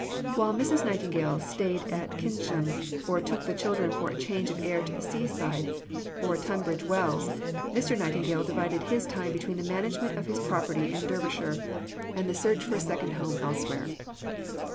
While Mrs. Nightingale stayed at Kynsham, or took the children for change of air to the seaside or Tunbridge Wells, Mr. Nightingale divided his time between the management of his property in Derbyshire and the search for a second home elsewhere.